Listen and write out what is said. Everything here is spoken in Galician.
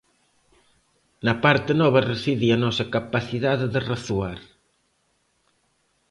Na parte nova reside a nosa capacidade de razoar.